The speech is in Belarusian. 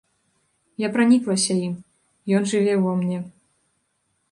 Я праніклася ім, ён жыве ўва мне.